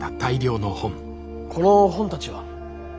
この本たちは？